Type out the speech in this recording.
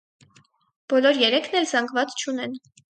Բոլոր երեքն էլ զանգված չունեն։